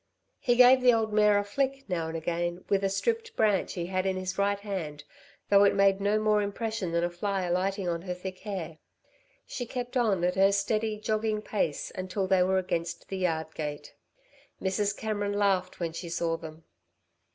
He gave the old mare a flick, now and again, with a stripped branch he had in his right hand, though it made no more impression than a fly alighting on her thick hair. She kept on at her steady, jogging pace until they were against the yard gate. Mrs. Cameron laughed when she saw them.